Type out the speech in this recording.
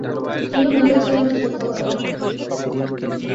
তিনি মোটর চালনা শিক্ষা করেন।